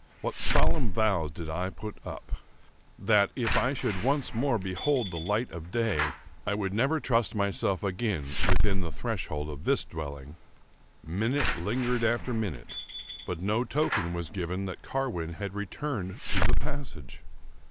What solemn vows did I put up, that, if I should once more behold the light of day, I would never trust myself again within the threshold of this dwelling! Minute lingered after minute, but no token was given that Carwin had returned to the passage.